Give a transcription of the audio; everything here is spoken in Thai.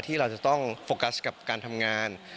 ที่เราจะต้องโฟกัสกับการทำงาน